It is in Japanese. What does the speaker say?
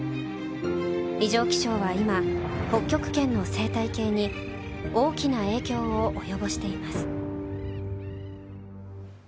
異常気象は今北極圏の生態系に大きな影響を及ぼしています。